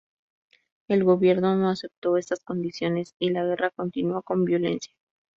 El gobierno no aceptó estas condiciones y la guerra continuó con violencia.